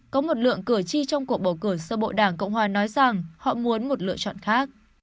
có một lượng cử tri trong cuộc bầu cử sơ bộ đảng cộng hòa nói rằng họ muốn một lựa chọn khác